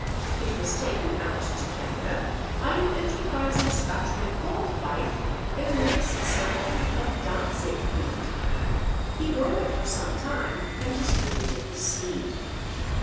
It was taken out to Canada by an enterprising Scotchman called Fife in a mixed sample of Dantzig wheat. He grew it for some time and distributed the seed.